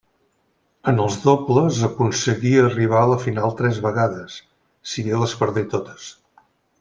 En els dobles aconseguí arribar a la final tres vegades, si bé les perdé totes.